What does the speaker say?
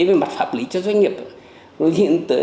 về mặt pháp lý cho doanh nghiệp